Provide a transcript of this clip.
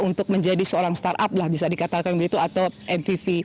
untuk menjadi seorang startup lah bisa dikatakan begitu atau mpv